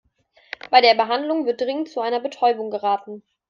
Bei der Behandlung wird dringend zu einer Betäubung geraten.